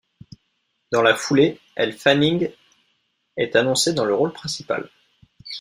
Dans la foulée, Elle Fanning est annoncée dans le rôle principal.